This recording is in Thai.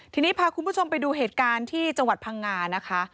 ทีนี้พาคุณผู้ชมไปดูเหตุการณ์ที่จังหวัดพังงานะคะ